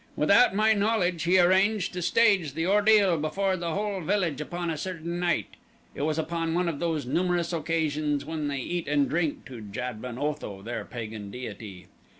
Without my knowledge he arranged to stage the ordeal before the whole village upon a certain night it was upon one of those numerous occasions when they eat and drink to Jad ben Otho, their pagan deity.